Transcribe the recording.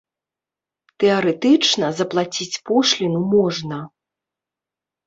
Тэарэтычна заплаціць пошліну можна.